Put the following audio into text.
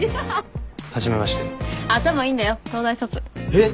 えっ！